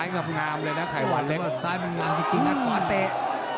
น้องไหวนเล็กสายบางการจริงสายขวาเตะ